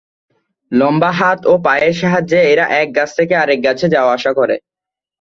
লম্বা হাত ও পায়ের সাহায্যে এরা এক গাছ থেকে আরেক গাছে যাওয়া-আসা করে।